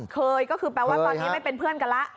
เคยก็คือแปลว่าตอนนี้ไม่เป็นเพื่อนกันแล้ว